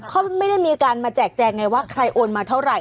เขาไม่ได้มีการมาแจกแจงไงว่าใครโอนมาเท่าไหร